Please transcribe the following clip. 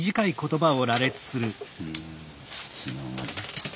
うん「つながり」。